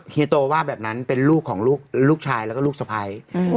เฮีโตว่าแบบนั้นเป็นลูกของลูกชายแล้วก็ลูกสะพ้าย